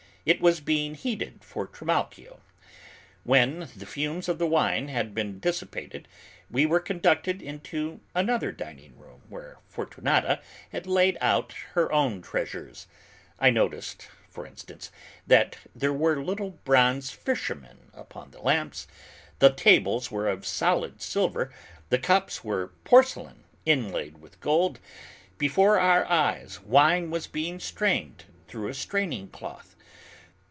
It was being heated for Trimalchio. When the fumes of the wine had been dissipated, we were conducted into another dining room where Fortunata had laid out her own treasures; I noticed, for instance, that there were little bronze fishermen upon the lamps, the tables were of solid silver, the cups were porcelain inlaid with gold; before our eyes wine was being strained through a straining cloth.